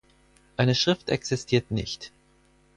Eine Schrift existiert nicht.